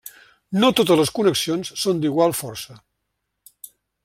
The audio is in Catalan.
No totes les connexions són d'igual força.